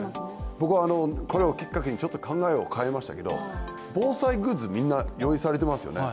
僕はこれをきっかけにちょっと考えを変えましたけど防災グッズ、みんな用意されていますよね。